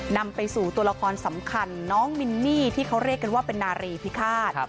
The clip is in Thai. นำไปสู่ตัวละครสำคัญน้องมินนี่ที่เขาเรียกกันว่าเป็นนารีพิฆาต